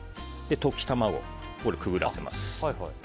溶き卵をくぐらせます。